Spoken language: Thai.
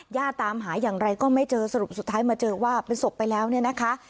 ตามหาอย่างไรก็ไม่เจอสรุปสุดท้ายมาเจอว่าเป็นศพไปแล้วเนี่ยนะคะ